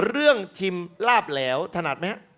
เรื่องชิมลาบแหลวถนัดไหม